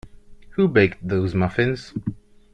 Who baked those muffins?